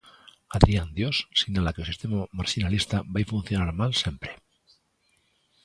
Adrián Dios sinala que o sistema marxinalista vai funcionar mal sempre.